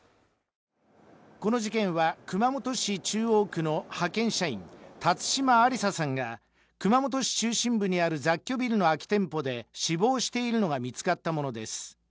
この事件は、熊本市中央区の派遣社員、辰島ありささんが熊本市中心部にある雑居ビルの空き店舗で死亡しているのが見つかったものです。